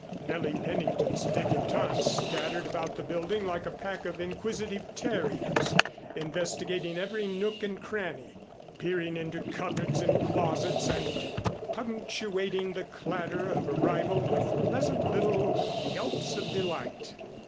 Nellie Pennington's débutantes scattered about the building like a pack of inquisitive terriers, investigating every nook and cranny, peering into cupboards and closets and punctuating the clatter of arrival with pleasant little yelps of delight.